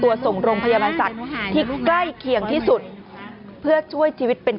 ตัวส่งโรงพยาบาลสัตว์ที่ใกล้เคียงที่สุดเพื่อช่วยชีวิตเป็น